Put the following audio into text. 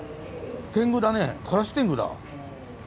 天狗だねカラス天狗だ。